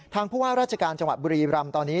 ผู้ว่าราชการจังหวัดบุรีรำตอนนี้